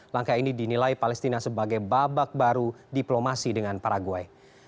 langkah ini dinilai palestina sebagai babak baru diplomasi dengan paraguay